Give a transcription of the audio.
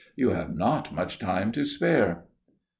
You have not much time to spare."